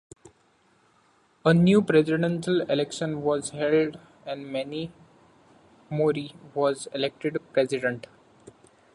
A new presidential election was held and Manny Mori was elected president.